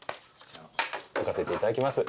置かせていただきます